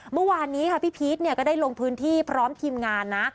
เมื่อวานี้พี่พีชก็ได้ลงพื้นที่พร้อมกับทีมงานนะ